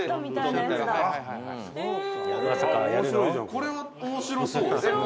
「これは面白そう」